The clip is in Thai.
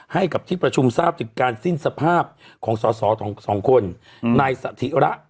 ให้กับที่ประชุมทราบถึงการสิ้นสภาพของสอสอสองคนนายสถิระ